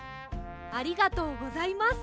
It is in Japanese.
ありがとうございます。